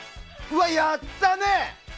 うわ、やったね。